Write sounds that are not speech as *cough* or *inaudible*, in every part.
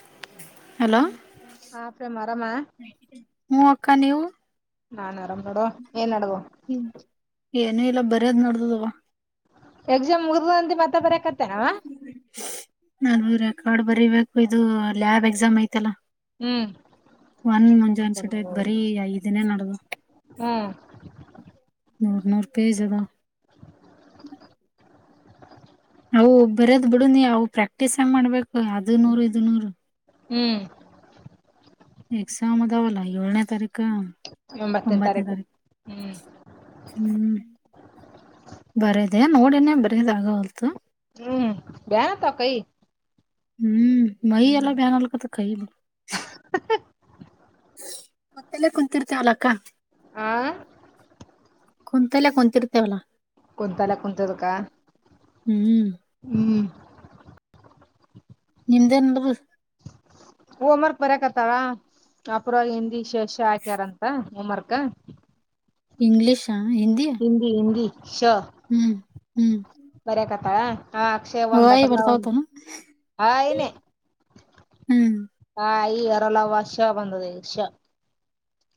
*inaudible* Hello ಹಾ ಪ್ರೇಮ್ ಆರಾಮ ಹ ಅಕ್ಕ ನೀವು ನಾನ್ ಆರಾಮ್ ನೋಡುವ ಏನ್ ಅಡಿಗೆ ಏನು ಇಲ್ಲ ಬರ್ಯದ್ ನೋಡ್ದದವ. ಎಕ್ಸಾಮ್ ಮುಗ್ದದ್ ಅಂದಿ ಮತ್ ನಾನು ರೆಕಾರ್ಡ್ ಬರಿಬೇಕು ಇದು ಲ್ಯಾಬ್ ಎಕ್ಸಾಮ್ ಐತಲ್ಲ. ಹ್ಮ್ ಒಂದ ಮುಂಜು ಅನ್ಸಿಟಯ್ತ್ ಬರೀ ಐದಿನೇ ನಡದವ್ ಹ್ಮ್ ನೂರ್ ನೂರ್ ಪೇಜ್ ಅದಾವ್ ಅವು ಒ ಬರ್ಯಾದ್ ಬಿಡು ನೀ ಅವು ಪ್ರಾಕ್ಟೀಸ್ ಹೆಂಗ್ ಮಾಡ್ಬೇಕು ಅದು ನೂರು ಇದು ನೂರು. ಹ್ಮ್ ಎಕ್ಸಾಮ್ ಅದಾವಲ್ಲ ಏಳನೇ ತಾರೀ ಕ ಒಂಬತ್ತನೇ ತಾರೀಕ್ ಹ್ಮ್ ಹ್ಮ್ ಬರೆದೆ ನೋಡಿನೇ ಬರೆಯದ್ ಆಗವಲ್ತು. ಹ್ಮ್ ಬ್ಯಾ ಪ ಕೈ ಹ್ಮ್ ಮೈಯೆಲ್ಲ ಬ್ಯಾನೇ ಅಗ್ಲಕತ್ ಕೈ ಪಕ್ದಲೇ ಕುಂತಿರ್ತೆವಲ ಅಕ್ಕ ಆ ಕುಂತಲ್ಲೇ ಕುಂತೆರ್ತೇವಲ್ಲ. ಕುಂತಲ್ಲೆ ಕುಂತಿದುಕ ಹ್ಮ್ ಹ್ಮ್ ನಿಮ್ದೆಂದ್ ಬಸ್ ಹೊಮ್ ವರ್ಕ್ ಬರಿಯಕತ್ತಾಳ. ಪೂರ ಹಿಂದಿ ಶೇಷ ಹಾಕ್ಯಾರಂತ ಹೊಮರ್ಕ ಇಂಗ್ಲಿಷ್ ಹಿಂದಿ ಹಿಂದಿ ಶ ಹ್ಮ್ ಹ್ಮ್ ಬರ್ಯಕತ್ತಳ ಹಾ ಅಕ್ಷಯ್ ಒಂದು ಹೊಯಿ ಬಟರ್ಲಾ ಒಂದು ಬರ್ತಾವತನು ಹಾಯೀನೇ. ಹ್ಮ್ ಯಾ ರ ಲ ವ ಶ ಬಂದದೆ ಈ ಷ.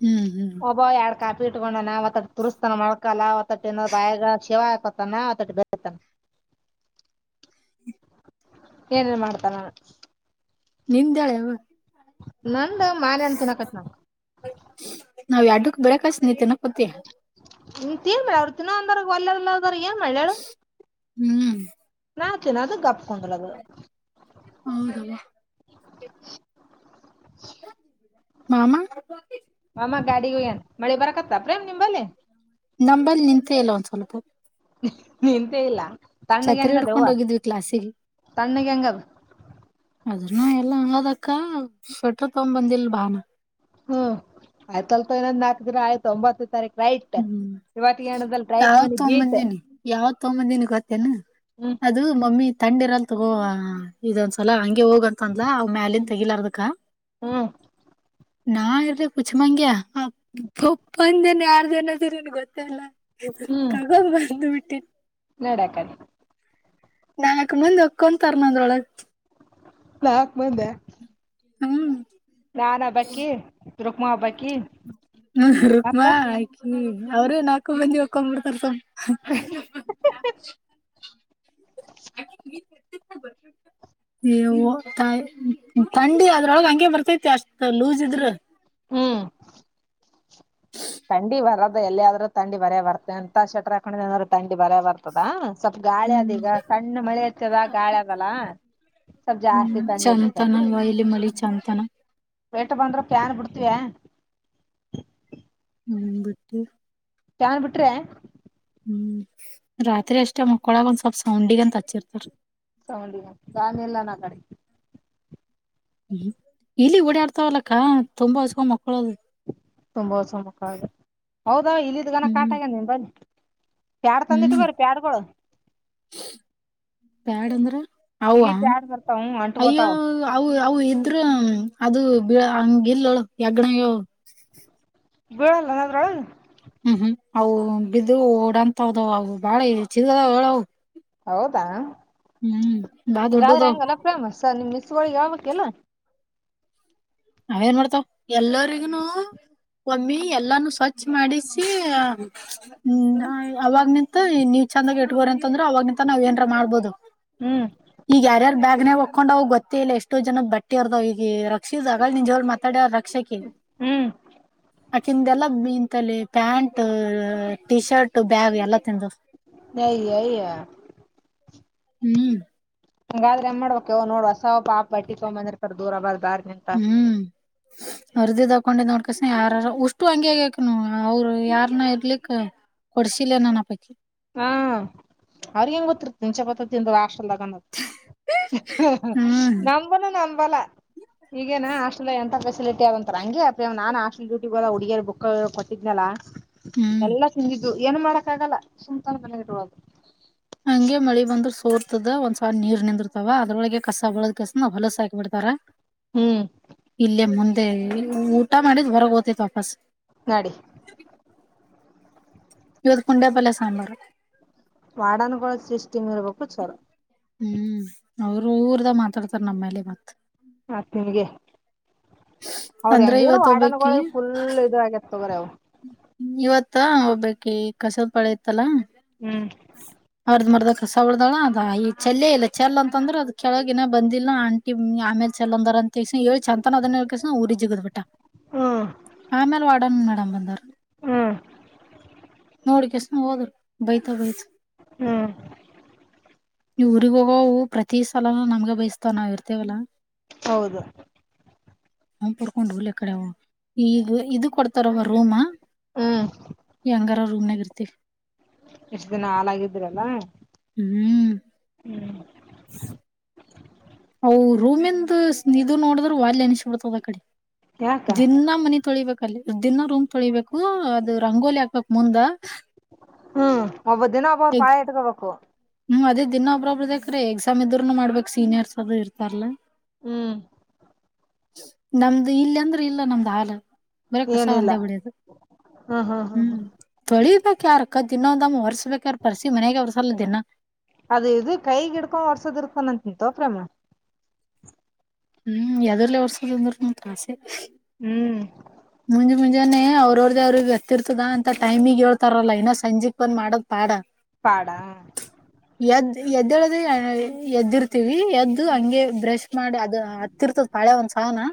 ಹ್ಮ್ ಹ್ಮ್ ಒಬ್ಬಾ ಯಾಡ್ ಕಾಟ್ ಇಟ್ಕೊಂಡನ ಒತ್ತನ ತುರುಸ್ತಾನ ಮಳಕಾಲ ಒತ್ತಟ್ಟನಾದ ಬಾಯಾಗ ಶಿವ ಹಾಕೋತಾನ ಒತ್ತಟ್ಟ ಬೆಳತಾನ. *inaudible* ಏನೇನ್ ಮಾಡ್ತನವ ನಿಂದ್ಯಾಳವ್ವೋ ನಂದು ಮಾವಿನ್ ಅಣ್ಣ್ ತಿನ್ನಕ್ಕತ್ತಿನ್ ನೋಡ್. ನಾವ್ ಎಡ್ಡುಕ್ ಬೆಳಕ್ ಕಳ್ಸ್ ನೀ ತಿನ್ನಕ್ ಕೂತ್ಯ. ನಿ ತಿನ್ನ ಅವರು ತಿನ್ನೋಂದ್ರ ಒಲ್ಯ ಇಲ್ಲದರ್ ಏನ್ ಮಾಡ್ಲ್ ಹೇಳು ಹ್ಮ್ ನಾ ಏನದು ಕಪ್ಕಂಕೊಂಡ್ರದು *inaudible* ಹೌದವ್ವ ಮಾಮಾ ಅಮ್ಮ ಗಾಡಿಗೂ ಏನ್ ಮಳಿ ಬರಕತ್ತ ಪ್ರೇಮ್ ನಿಂಬಲ್ಲಿಿ ನಂಬಲ್ಲಿ ನಿಂತ ಎಲ್ಲ ಒಂದಸೋಲುತ್ತ ನಿಂತೇ ಇಲ್ಲ ತಣ್ಣಗ್ ಛತ್ರಿ ಹೆಂಗದ ಯವ್ವ ಹಿಡ್ಕೊಂಡ್ ಹೋಗಿದ್ವಿ ಕ್ಲಾಸಿಗೆ ತಣ್ಣಗ್ ಹೆಂಗದ ಅದನ್ನ ಎಲ್ಲ ಆದಕ್ಕ ಸ್ವೆಟರ್ ತಗ ಬಂದಿಲ್ ಬಾನ ಹ್ಮ್ ಆಯ್ತಲ್ತ ಇನ್ನೊಂದ್ ನಾಲ್ಕ ದಿನ ಆಯ್ತ ಒಂಬತ್ತ ತಾರೀಕ ರೈಟ್ ಇವತ್ತಿಗೆ ಏನದಲ್ ರೈಟ್ ಯಾವ ಮನಿ ಗೀಟ್ ತೊಂಬಂದಿನಿ ಯಾವತ್ ತೊಂಬಂದಿನಿ ಗೊತ್ತೇನಾ ಹ್ಮ್ ಅದು ಮಮ್ಮಿ ತಂಡಿರಲ್ ತಗೋ ಇದೊಂದ್ಸಲ ಗೆ ಹೋಗಂತ ಅಂದಲ ಅವ ಮ್ಯಾಲನ್ ತೆಗಿಲಾರದಕ್ಕ ಹ್ಮ್ ನಾರರಿ ಪುಚ್ ಮಂಗ್ಯಾ ಅಪ್ಪಪ್ಪಂದ ಜನ ಯಾರ್ ಜನ ಅದರಿನ್ ಗೊತ್ತೇಲ್ಲ ಇದ ಹ್ಮ್ ತಗ ಬಂದು ಬಿಟ್ಟ ನಡ್ಯಾಕಡೆ ನನಗೆ ಮುಂದೆ ಒಕ್ಕೊಂಡ್ ತರಮ ಅಂದ್ರ ಒಳಗೆ ನಾಕ್ ಮಂದೆ ಹ್ಮ್ ನಾನ್ ಹಬ್ಬಕಿ ರುಕ್ಮ ಹಬ್ಬಾಕಿ ಹ್ಮ ರುಕ್ಮಾ ಆಯ ಅವರು ನಾಲ್ಕು ಮಂದಿ ಒಕೊಂಡ್ಬಿರ್ತಾರ ಸಮ್ ಹ ಅ ನೀತಿ ಬರ್ ನೀವು ತಂಡಿ ಅದ್ರೊಳಗ ಹಂಗೆ ಬರ್ತೈತಿ ಅಷ್ಟ ಲೂಸ್ ಇದ್ರ ಹ್ಮ್ ತಂಡಿ ಬರದ ಎಲ್ಲಿ ಆದ್ರೂ ತಂಡಿ ಬರಯ ಬರ್ತ ಎಂತ ಶಟ್ರ ಹಾಕೊಂಡ ಏನಾದ್ರರು ತಂಡಿ ಬರಯ ಬರ್ತದಾ ಸ್ವಲ್ಪ್ ಗಾಳಿ ಹ್ಮ್ ಅದೀಗ ಸಣ್ಣ ಮಳೆ ಇರ್ತದ ಗಾಳಿ ಅದಲ್ಲ ಸ್ವಲ್ಪ ಜಾಸ್ತಿ ಹ್ಮ್ ತಂದ ಇಡ್ತೆ ಚಂತನ ವೈಲಿ ಮಳಿ ಹ್ಮ ಚಂತನ *inaudible* ವೇಟ ಬಂದ್ರ ಕ್ಯಾನ್ ಬಿಡ್ತವ *inaudible* ಹ್ಮ್ ಬಿಟ್ಟಿ ತಗಂಡ್ ಬಿಟ್ರೆ ಹ್ಮ್ ರಾತ್ರಿ ಅಷ್ಟೇ ಮಕ್ಕೊಳಗ ಒಂದ್ ಸ್ವಲ್ಪ ಸೌಂಡಗ ಅಂತ ಹಚ್ಚಿರ್ತಾರ ಸೌಂಡ ದಾಮಿ ಇಲ್ಲ ನಾ ಕಡೆ ಹ್ಮ ಇಲ್ಲಿ ಓಡಾಡ್ತವಲ್ಲಕ್ಕ ತುಂಬಾ ಹಕೊ ಮಕ್ ತುಂಬಾ ಹೊಸ ಮುಖ ಅ ಹೌದಾ ಇಲ್ಲಿದ್ಗನ ಕಾಟ ಹ್ಮ್ ಆಗ ನಿ ಬನ್ನಿ ಪ್ಯಾಡ್ ತಂದಿಟ್ಟು ಬರಿ ಪ್ಯಾಡ್ಗಳು ಪ್ಯಾಡ್ ಅಂದ್ರ ಹವಾ ಇಲಿ ಪ್ಯಾಡ್ ಬರ್ತಾವ ಹ್ಮ್ ಅಯ್ಯೋ ಅಂಟ್ಕೋತಾವ ಅ ಅವು ಇದ್ರ ಅದು ಬಿ ಇಲ್ಲೋ *unintelligible* ಬೀಳಲ್ಲ ಅಗಂದ್ರ ಹ್ಮ್ ಹ್ಮ್ ಅವು ಬಿದ್ದು ಓಡಂತಾವದ ಅವು ಬಾಳ ಚಿದದ ಹೇಳವು ಹೌದಾ ಹ್ಮ್ ಬಾ ಹಂಗಾದ್ರೆ ದೊಡ್ಡದವ ಹೆಂಗಲ್ಲ ಫೇಮಸ್ ಸ ನಿಮ್ ಮಸವಿ ಯಾವಕ್ಕೆಲ್ಲ ನಾವೇನ್ ಮಾಡ್ತಾವ ಎಲ್ಲರಿಗನು ಒಮ್ಮಿ ಎಲ್ಲಾನು ಸ್ವಚ್ಛ ಮಾಡಿಸಿ ಹ್ಮ ಅವಾಗ್ ನಿಂತ ನೀ ಚಂದಾಗ ಇಟ್ಬೋರಿ ಅಂದ್ರೆ ಅವವಾಗಿನಂತ ನಾವ್ಏನಾರ ಮಾಡಬಹದು ಹ್ಮ್ ಈಗ ಯಾರ್ಯಾರು ಬ್ಯಾಗ್ನೆೇ ಹಕೊಂಡ್ ಅವ ಗೊತ್ತೇ ಇಲ್ಲ ಎಷ್ಟೋ ಜನ ಬಟ್ಟೆ ಇರ್ದಾವ ಈ ರಕ್ಷ ಆ ನಿನ್ ಜೋರ್ ಮಾತಾಡ ರಕ್ಷಕ ಹ್ಮ್ ಆಕಿಂದ ಎಲ್ಲ ಬಂತಲ್ಲಿ ಪ್ಯಾಂಟ್ ಟೀ ಶರ್ಟ್ ಬ್ಯಾಗ್ ಎಲ್ಲ ತಿಂದು ಅಯ್ಯೋ ಅಯ್ಯೋ ಹ್ಮ್ ಹಂಗಾದ್ರೆ ಮಾಡ್ಬೇಕವ ನೋಡ್ವಸಬ್ಪಾಪ ಅಟ್ಟಿಕೊಂಬಂದಿರ್ತರ್ ದೂರ ಬರ್ ಹ್ಮ್ ಹರಿದಿದ್ದು ಹಾಕೊಂಡಿದ ನೋಡ್ಕೆಸಿಂದ್ ಯಾರಾರ ಓಸ್ಟು ಹಂಗೆ ಆಗ್ಯವಕಣೋ ಅವ್ರು ಯಾರನ ಇರ್ಲಿಕ್ ಕೊಡ್ಸಿಲ್ಲ ನನ್ನ ಪೈಕಿ ಹಾ ಅವ್ರಿಗ ಹ್ಯಾಂಗ್ ಗೊತ್ತಿರ್ತ ಹುಣಚೆಪಟ್ಟ ತಿಿಂದ ಅಷ್ಟ *inaudible* ಹ್ಮ್ ನಂಬನ ನಂಬಲ್ಲ ಈಗೇನಾ ಹಾಸ್ಟೆಲ್ ಎಂತ ಬೆ ಸ್ಟ್ ಆದಂತ ಹಂಗೆ ಅಪ್ಪಿ ನಾನ್ ಹಾಸ್ಟೆಲ್ ಡ್ಯೂಟಿ ಹೋದಾಗ ಹುಡುಗರ್ ಬುಕ್ ಕೊಟ್ಟಿದನಲ್ಲ ಹ್ಮ್ ಎಲ್ಲ ತಿಂದಿದ್ದು ಏನು ಮಾಡಕ್ಕ ಆಗಲ್ಲ ಸುಮ್ಮ ತಂದ ಮನ್ಯಾಗ್ ಇಟ್ಕೊಳೋದು ಸೊರ್ತದ ಒಂದ್ಸವ ನೀರ್ ನಿಂದಿರ್ತವ ಅದ್ರೊಳಗೆ ಕಸ ಬಳೋದ್ ಕಾಸೆಂದು ಹೊಲಸ ಹಾಕಿ ಬಿಡ್ತಾರ ಹ್ಮ್ ಇಲ್ಲೇ ಮುಂದೆ ಊಟ ಮಾಡಿದ್ ಹೊರಗೆ ಹೋದೆ ವಾಪಸ್ ನಡಿ ಇವತ್ತು ಕುುಂಡೆಪಲ್ಲ ಸಾಂಬಾರು ವಾರ್ಡನ್ ಗೋಳ ಸಿಸ್ಟಮ್ ಇರ್ಬೇಕು ಚಲೋ ಹ್ಮ್ ಅವರು ಊರ್ದ ಮಾತಾಡ್ತಾರ ನಮ್ಮೇಲೆ ಮತ್ತ್ ಮತ್ ನಿಮಗೆ ಅವರು ಅಂದ್ರ ಹೆಂಗಿದರು ಇವತ್ ವಾಡನ್ಗಳ ಒಬ್ಬಕಿ ಫುಲ್ ಇದ ಆಗ್ಯಾದ ಇವತ್ತ ಒಬ್ಬಕೀ ಕಸದ ಪಾಳೆ ಇತ್ತಲಾ ಹ್ಮ್ ಅರ್ದ ಮರದ ಕಸಾ ಒಳ ಅಂದಳ ಅದ ಈ ಚೆಲ್ಲೇ ಇಲ್ಲ ಚೆ ಅಂತಂದ್ರೆ ಅದ ಕೆಳಗ ನ ಬಂದಿಲ್ಲ ಆಂಟಿ ಆಮೇಲೆ ಚೆಲ್ಂದಾರಂತ ತ ಹೇಳಿ ಚಂತನ ಅದನ್ನ ಹೇಳಿ ಕಸೆಂದು ಊರಿ ಜಿಗದ್ ಬಿಟ್ಟಾಳ ಹ್ಮ್ ಆಮೇಲೆ ವಾರ್ಡ ಮೇಡಂ ಬಂದಳ ಹ್ಮ್ ನೋಡಿ ಕಸಿದು ಹೋದ್ಲು ಬೈತಾ ಬೈತ ಹ್ಮ್ *inaudible* ಇವು ಊರಿಗ ಹೋಗವು ಪ್ರತಿ ಸಲನ ನಮ್ಗ ಬಯಸ್ತಾವ ನಾವ್ ಇರ್ತೇವಲ್ಲ ಹೌದು ಹ ಪಡ್ಕೊಂಡ್ ಹಳ್ಳ ಕಡೆ ಈಗ ಇದು ಕೊಡ್ತಾರವ ರೂಮ ಹ್ಮ್ ಎಂಗಾರ ರೂಮ್ನಾಗ್ ಇರ್ತೀವಿ ಈಷ್ಟು ದಿನ ಹಾಲಾಗಿದ್ರಲ್ಲ ಹ್ಮ್ ಹ್ಮ್ ಅ ರೂಮಿಂದ ಇದು ನೋಡಿದ್ರ ವಲ್ ಎನಿಸಬಿಡ್ತದ ಆ ಕಡೆ ಯಾಕ ದಿನಾ ಮನಿ ತೊಳಿಬೇಕ ದಿನ ರೂಮ್ ತೊಳಿಬೇಕು ಅದು ರಂಗೋಲಿ ಹಾಕ್ಬೇಕ ಮುಂದ ಹ್ಮ್ ಒಬ್ಬ ದಿನ ಒಬ್ಬರು ಎಗ್ ಪಾಳೆ ಇಟ್ಕೋಬೇಕು ಹ್ಮ್ ಅದೇ ದಿನ ಒಬ್ಬರೊಬ್ಬರ ಖರೆ ಎಕ್ಸಾಮ್ ಇದ್ರುನು ಮಾಡ್ಬೇಕ ಸೀನಿಯರ್ಸ್ ಅದು ಇರ್ತಾರಲ್ಲ ಹ್ಮ್ ನಮ್ದು ಇಲ್ಲ ಅಂದ್ರೆ ಇಲ್ಲ ನಮ್ದು ಹಾಲ ಬರೇ ಕಸ ಏನಿಲ್ಲ ಒಂದ ಹೊಡಿಯೋದು ಹ್ಮ್ ತೊಳಿಬೇಕ್ ಯಾರ ಅಕ್ಕ ದಿನವೊಂದನ್ನು ಒರೆಸಬೇಕಾರ ಪರ್ಷಿ ಮನ್ಯಾಗ ಒರುಸಲ ದಿನಾ ಅದ ಇದು ಕೈ ಹಿಡುಕೊಂಡು ವರ್ಸದ್ ಇರ್ತಾನಂತ ತೊಕ್ರಮ ಹ್ಮ್ ಯದ್ರಲ್ಲೇ ವರ್ಸದ ಅಂದ್ರರುಮ ತಾಸೆ ಹ್ಮ್ ಮುಂಜೆ ಮುಂಜಾನೆ ಅವ್ರ ಅವ್ರ್ದ ಅವ್ರಿಗೆ ಗತ್ತಿರ್ತದ ಅಂತ ಟೈಮಿಗ್ ಹೇಳ್ತಾರಲ್ಲ ಇನ್ನು ಸಂಜೆಕ್ ಬಂದ್ ಮಾಡದ್ ಪಾಡ್ ಪಾಡ ಎದ್ದ್ ಎದ್ದೇಳದ ಎದ್ದಿರ್ತಿ ವಿ ಎದ್ದ ಹಂಗೆ ಬ್ರಷ್ ಮಾಡಿ ಅದು ಹತ್ತಿರ್ತದ ಪಾಳೆ ಒಂದ್ ಸಾವನ್ನ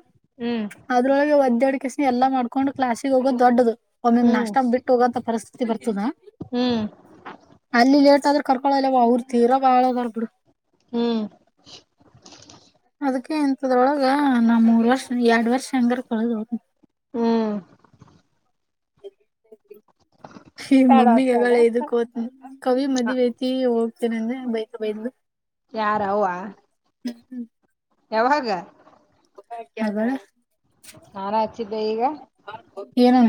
ಹ್ಮ್ ಅದ್ರೊಳಗೆ ಒದ್ದಾಡಿ ಕಸಿ ಎಲ್ಲಾ ಮಾಡ್ಕೊಂಡು ಕ್ಲಾಸಿಗೆ ಹೋಗೋ ದೊಡ್ಡದು ಒಮ್ಮೊಮ್ಮೆ ಹ್ಮ್ ನಾಷ್ಟ ಬಿಟ್ಟು ಹೋಗಂತ ಪರಿಸ್ಥಿತಿ ಬರ್ತದಾ ಹ್ಮ್ ಅಲ್ಲಿ ಲೇಟ್ ಆದ್ರೆ ಕರ್ಕೊಳಲ್ಲವ ಅವ್ರರು ತೀರ ಬಾಳದರ್ ಬಿಡು ಹ್ಮ್ ಅದಕ್ಕೆ ಎಂತ ಅದರೊಳಗ ನಾ ಮೂರ್ ವರ್ಷ ಎರಡ್ ವರ್ಷ ಹೆಂಗರ ಕಳೆದು ಹೋಗ್ತೀನಿ ಹ್ಮ್ *inaudible* ಏ ಪ್ಯಾಡ ಹಚ್ಚಾಗ ಮುನ್ನಿಗೆಲ್ಲ ಇದಕ್ಕ ಹೋತೀನಿ ಕವಿ ಮದವಿ ಐತಿ ಹೋತಿನಿ ನನ್ನ ಬೈಕ್ ಬೈದ ಯಾರ ಅವ ಯಾವಾಗ ಕಗ ನಾನ ಹಚ್ಚಿದ್ದೆ ಈಗ ಏನ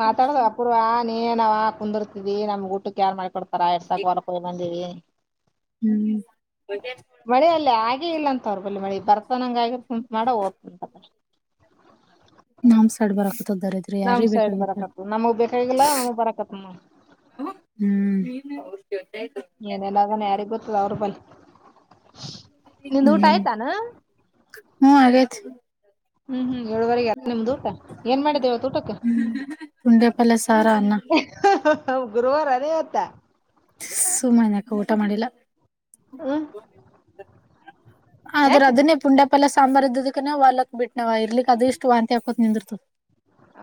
ಮಾತಾಡ್ದ ಅಪೂರ್ವ ನೀ ನಾವ ಕುಂದಿರ್ತಿದೀ ನಮ್ ಊಟಕ್ ಯಾರಾರ್ ಮಾಡ್ಕೊಡ್ತವಿ ರ ಎಡ್ ಸಾಕ ಹೊರಕ ಬಂದೀವಿ ಹ್ಮ್ ಮಳೆ ಅಲ್ಲ ಹಾಗ ಹಾಗೆ ಇಲ್ಲ ಅಂತವ್ರರು ಬಿ ಮಾಡಿ ಬರ್ತಾನಂಗ ಆಂಪ ಮಾಡ ಹಓದ್ತಂತ ನಾಮ್ಸ್ ಆಡ್ ಬರಕ ರಿದ್ರಿ ಯಾರ ನಮ್ ಸೈಡ್ ಬೇಕಾಗಿತ್ತು ಬರಕತ್ತ ನಮಗ್ ಬೇಕಾಗಿಲ್ಲ ನಮಗ್ ಬರಕತ್ ನೋಡ್ ಹ್ಮ್ *inaudible* ಏನೆಲ್ಲ ಅದಾನ ಯಾರಿಗ್ ಗೊತ್ತದ ಅವ್ರ ಬಳಿ ನಿಂದು ಊಟ ಆಯ್ತಾನ ಹ್ಮ್ ಆಗೇತಿ ಹ್ಮ್ ಹ್ಮ್ ಏಳುವರೆಗೆ ನಿಮ್ದು ಊಟ ಏನ್ ಮಾಡಿದ್ದೇವತ್ತು ಊಟಕ್ಕೆ ತಿಳಿಸಾರು ಅನ್ನ ಗುರುವಾರ ಅದೇವತ್ತ ಸುಮ್ಮನ್ಯಕ ಊಟ ಮಾಡಿಲ್ಲ ಹ್ಮ್ ಆದ್ರ ಯಾಕ ಅದನ್ನೇ ಪುಂಡ್ಯಾಪಲ್ಲ್ಲ ಸಾಂಬಾರಾರ್ ಇದ್ದದಕನ ವಲ್ಕ್ ಬಿಟ್ಟ ನಾವ ಇರ್ಲಿಕ್ ಅದು ಇಷ್ಟು ವಾಂತಿ ಹಕೋತ್ ನಿಂದಿರ್ತು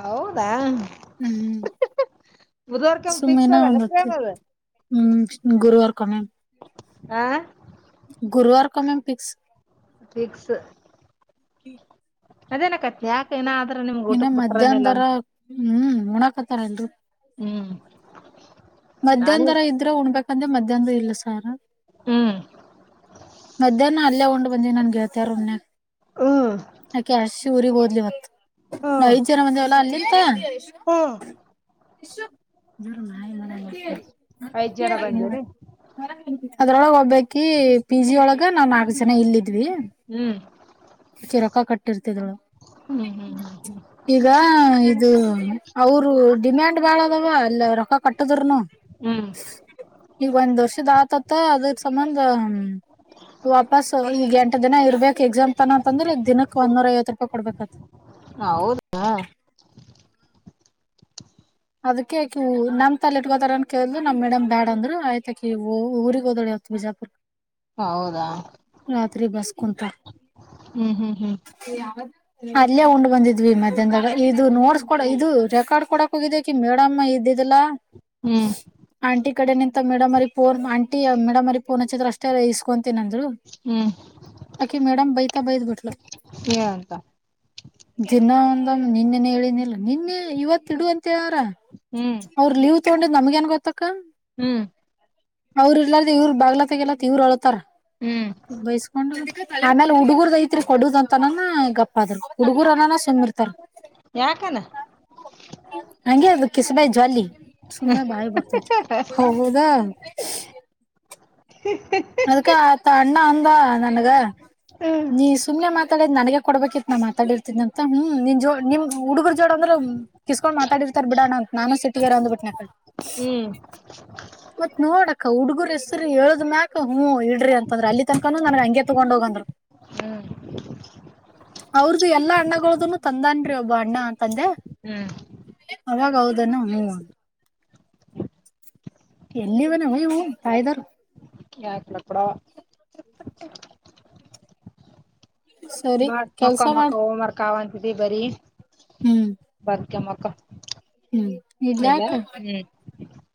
ಹೌದಾ ಹ್ಮ್ ಬುಧವಾರ್ಕಿಕ್ಸ್ ಸುಮ್ಮಿನ ಆಲ್ಲ ಒಂದ್ ಹೊತ್ತಿ ಅ ಹ್ಮ್ ಗುರುವಾರ ಕನೆ ಹ ಗುರುವಾರಕ ಒಲಿಂಪಿಕ್ಸ್ ಪಿಕ್ಸ್ ಹ್ಮ ಅದೇನ ಕತ್ತ ಇನ್ನು ಮಧ್ಯಾಹ್ನದರ ಅಂತ ಹ್ಮ್ ಉಣಾಕತ್ತಾರಲ್ರು ಹ್ಮ್ ನಾನು ಮಧ್ಯಾಹ್ರ ಇದ್ರೆ ಉಣ್ಬೇಕಂದ್ರೆ ಮಧ್ಯಾಹ್ರ ಇಲ್ಲ ಸಾರ್ ಹ್ಮ್ ಮಧ್ಯಾಹ್ನ ಅಲ್ಲೇ ಒಂಡ್ ಬಂದೀ ನನ್ಗೆಳ್ತಾರೊನ್ನೆ ಹ್ಮ್ ಯಾಕೆಸ ಊರಿಗೆಗ್ ಹೋದ್ಲಿವತ್ ನಾ ಹ್ಮ್ ಐದ್ ಜನ ಮಂದವಲ್ಲ ಅಲ್ಲಿಂತ ಹ್ಮ್ ಜರ ಮ ಐದ್ ಜನ ಬಂದಿರಿ ಅದ್ರೊಳಗೆ ಒಗ್ಬೇಕಿ ಪಿ ಜಿ ಒಳಗ ನಾನ್ ನಾಲ್ ಜನ ಇಲ್ಲಿದ್ವಿ ಹ್ಮ್ ಕಿ ರೊಕ ಕಟ್ಟಿರ್ತಿದಳು ಹ್ಮ್ ಹ್ಮ್ ಹ್ಮ್ ಈಗ ಇದು ಅವರು ಡಿಮ್ಯಾಂಡ್ ಬಾಳ ಅಲ್ಲ ರೊಕ್ಕ ಕಟ್ಟದ್ರನು ಹ್ಮ್ ಈಗ ಒಂದ್ ವರ್ಷದ ಆತತ್ತ ಅದ ಸಂಬಂಧ ವಾಪಾಸ್ ಈ ಎಂಟು ದಿನ ಇರ್ಬೇಕಕ್ ಎಕ್ಸಾಮ್ ತನ ಅಂತಂದ್ರೆ ದಿನಕ್ ಒಂದೂರ ಐವತ್ತು ರೂಪಾಯಿ ಕೊಡ್ಬೇಕತ್ ಹ ಹೌದು ಅದಕಕಿ ನಮ ತಲೆ ಇಟ್ಕೋತಾರನ್ ಕೇಳ್ದ ನಮ್ಮ ಮೇಡಮ್ ಬ್ಯಾಡ ಅಂದ್ ಆಯ್ತಾಕಿ ಊರಿಗೆಗ್ ದೋಡಿ ಬಿಜಾಪು ಹೌದಾ ರತ್ರಿ ಬಸ್ಕಂತಾ ಹ್ಮ್ ಹ್ಮ್ ಹ್ಮ್ ಅಲ್ಲೇ ಉಂಡ್ ಬಂದಿದ್ವಿ ಮಧ್ಯಾಹ್ದಾಗ ಇದು ನೋಡ್ಸ್ ಕಡ ಇದು ರೆಕಾರ್ಡ್ ಕೂಡ ಹೋಗಿದ ಮೇಡಮ್ಮ ಇದ್ದಿದಲ ಹ್ಮ್ ಹ್ಮ್ ಆಂಟಿ ಈ ಕಡೆ ನಿಂತ ಮೇಡಮರಿ ಫೋನ್ ಆಂಟಿ ಮೇಡಮರಿಫೋನ್ ಹಚ್ಚಿದ್ರ ಅಷ್ಟೇ ಇಸ್ಕೊಂತ ನಂದ ಹ್ಮ್ ಆಕೆ ಮೇಡಮ್ ಬೈತಾ ಬೈದ್ ಬಿಟ್ಲು ಏನಂತ ಜಾ ಒ ನಿನ್ನೆನೆ ಹೇಳನಿಲ್ಲ ನಿನ್ನೆ ಇವತ್ತ ಇಡುವಂತ ಯಾರ ಹ್ಮ್ ಅವ್ರ ಲೀವ್ ತಗೊಂಡ್ ನಮ್ಗೆ ಏ ಗೊತ್ತಕ್ಕ ಹ್ಮ್ ಅವ್ರ ಇರ್ಲಾರ್ದ ಇವ್ರು ಬಾಗ್ಲತ್ತಗಲ್ಲತ್ತ ಇವ್ರು ಅಳ್ತಾರ ಹ್ಮ್ ಬೈಸ್ಕೊಂಡ್ ಹುಡುಗರ್ದ ಐತ್ರಿ ಕೊಡುದ ಅಂತನ ಗಪ್ಪಾದ್ರರು ಹುಡುಗರನ ಯಾಕನಾ ಹಂಗಗೆ ಅ ಕಿಸಬಾಯ್ ಜ್ವಾಲಿ ಸುಮ್ಮನೆ ಬಾಯಿ ಬರ್ತತಿ ಹೌದಾ *inaudible* *unintelligible* ಅದ್ಕ ಆತ ಅಣ್ಣ ಅಂದ ನನ್ಗ ನೀ ಸುಮ್ನೆ ಮತ್ತ ನನಗೆ ಕೊಡ್ಬೇಕಿ ನಾತಾ ಂತ ಹ ನಿನ್ ಜೋ ನಿಮ್ುಡುಗರು ಜೋ ಅಂದ್ರೆ ಕಿಸಕೊಂಡ್ ಮಾತಾಡಿರ್ತಾರ ಬಿಡಣ ಅಂತ ನಾನು ಸಿಟಿಾರ ಅಂದ್ ಬಿಟ್ಟ *inaudible* *unintelligible* ಹ ಮತ್ ನೋಡಕ್ಕ ಹುಡ್ಗರ್ ಹೆಸರು ಹೇಳದ್ ಮ್ಯಕ್ ಹ್ಮ್ ಇಡ್ರಿ ಅಂತಂದ್ರ ಅಲ್ಲಿ ತನ್ಕಾನ ನನ್ಗ್ ಹಂಗೆ ತಗೊಂಡ್ ಹೋಗಂದರು ಹ್ಮ್ ಅವ್ರ್ದು ಎಲ್ಲಾ ಅಣ್ಣನು ತಂದನ್ರಿ ಒಬ್ಬ ಅಣ್ಣ ತಂದೆ ಹ್ಮ್ ಅವಾಗೌದು ಹ ಎಲ್ಲಿಾನ ಹಯ ತಾಯ್ದಾರ ಯ ಕಡ ಕೂಡ ಸರಿ ಮ ಮಕ್ಕ ಕೆಲ್ಸ ಮಕ್ಕ ಮಾಡ ಹೋಮ್ ವರ್ಕ್ ಆಂತಿದಿ ಬರಿೀ ಹ್ಮ್ ಮಕ್ಕ ಹ್ಮ್ ಇಲ್ಲ ಇಡ್ಲ್ಯಾಕ? ಹ್ಮ್